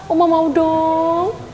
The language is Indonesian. oma mau dong